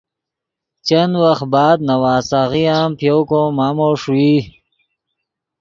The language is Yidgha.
چند وخت بعد نواسیغے ام پے یؤ کو مامو ݰوئی